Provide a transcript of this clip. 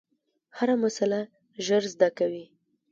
هره مسئله ژر زده کوي.